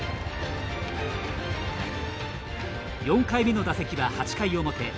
４回目の打席は、８回表。